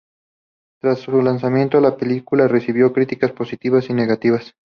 Tras su lanzamiento la película recibió críticas positivas y negativas.